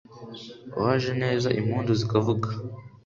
Uwajeneza impundu zikavuga.